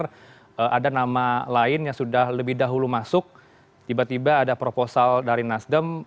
karena ada nama lain yang sudah lebih dahulu masuk tiba tiba ada proposal dari nasdem